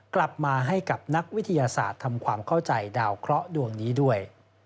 กลับมาให้กับนักวิทยาศาสตร์ทำความเข้าใจดาวเคราะห์ดวงนี้ด้วย